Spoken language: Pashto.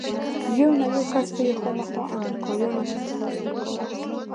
يو نه يو کس به يې خامخا امريکايانو ته په لاس ورکاوه.